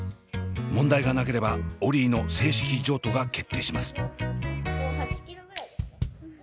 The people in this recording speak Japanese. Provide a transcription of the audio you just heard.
問題がなければオリィの正式譲渡が決定します。